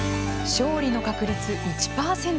勝利の確率、１％。